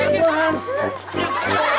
bentar bentar hantar